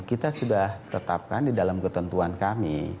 kita sudah tetapkan di dalam ketentuan kami